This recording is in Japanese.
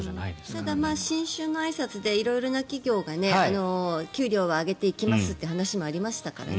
ただ、新春のあいさつで色々な企業が給料は上げていきますって話もありましたからね。